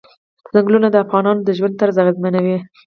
ځنګلونه د افغانانو د ژوند طرز اغېزمنوي.